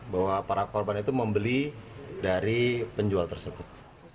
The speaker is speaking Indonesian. bahwa para korban itu membeli dari penjual tersebut